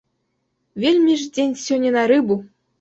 Вельмі ж дзень сёння на рыбу.